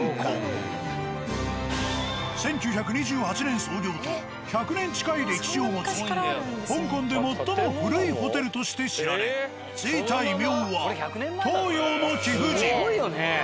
１９２８年創業と１００年近い歴史を持つ香港で最も古いホテルとして知られ付いた異名は「東洋の貴婦人」。